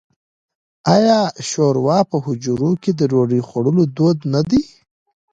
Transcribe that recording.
آیا شوروا په حجرو کې د ډوډۍ خوړلو دود نه دی؟